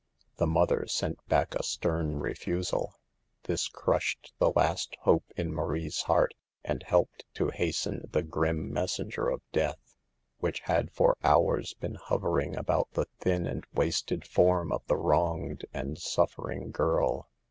The mother sent back a stern refusal. This crushed the last hope in Marie's heart, and helped to hasten the grim messenger of death, which had for hours THE EVILS OF DANCING, 93 been hovering about the thin and wasted form of the wronged and suffering girl.